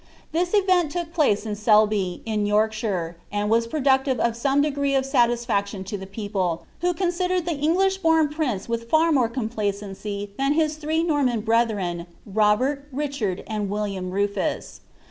This event took place at Selby, in Yorkshire, and was prodnctive of some degree of satisfaction to the people, who consi dered the English bom prince with far more complacency than his three Norman brethren, Robert, Richard, and William Rufus.